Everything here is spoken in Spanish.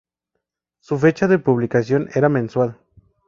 Su fecha de publicación era mensual.